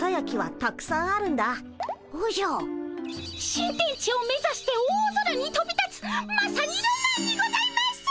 新天地を目指して大空にとび立つまさにロマンにございます。